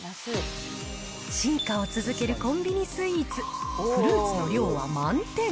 進化を続けるコンビニスイーツ、フルーツの量は満点。